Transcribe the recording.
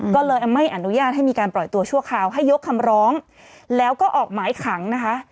ก็เลยไม่อนุญาตให้มีการปล่อยตัวชั่วคราวให้ยกคำร้องแล้วก็ออกหมายขังนะคะ